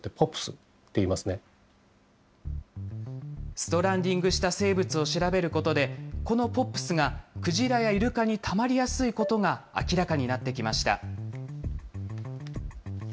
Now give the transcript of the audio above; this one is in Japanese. ストランディングした生物を調べることで、このＰＯＰｓがクジラやイルカにたまりやすいことが明らかになってきました。